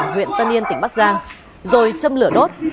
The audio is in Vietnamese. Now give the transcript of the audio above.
huyện tân yên tỉnh bắc giang rồi châm lửa đốt